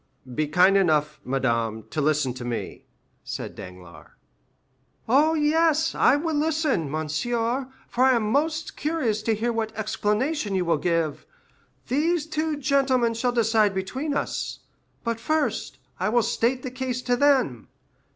"Be kind enough, madame, to listen to me," said Danglars. "Oh, yes; I will listen, monsieur, for I am most curious to hear what explanation you will give. These two gentlemen shall decide between us; but, first, I will state the case to them.